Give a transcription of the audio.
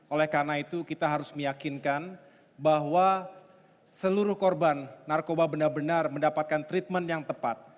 oleh karena itu kita harus meyakinkan bahwa seluruh korban narkoba benar benar mendapatkan treatment yang tepat